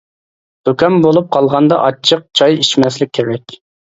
زۇكام بولۇپ قالغاندا ئاچچىق چاي ئىچمەسلىك كېرەك.